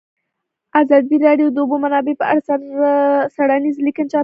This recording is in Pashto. ازادي راډیو د د اوبو منابع په اړه څېړنیزې لیکنې چاپ کړي.